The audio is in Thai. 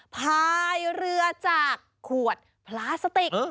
พายเรือจากขวดพลาสติก